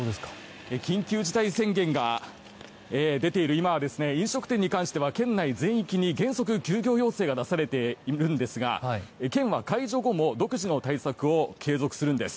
緊急事態宣言が出ている今は飲食店に関しては県内全域に原則、休業要請が出されているんですが県は解除後も独自の対策を継続するんです。